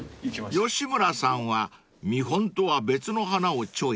［吉村さんは見本とは別の花をチョイス］